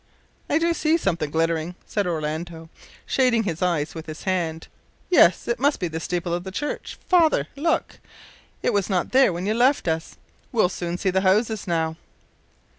"I do see something glittering," said Orlando, shading his eyes with his hand; "yes, it must be the steeple of the church, father. Look, it was not there when you left us. We'll soon see the houses now."